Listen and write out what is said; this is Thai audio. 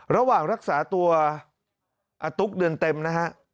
ระหว่างรักษาตัวอาตุ๊กเดือนเต็มนะฮะ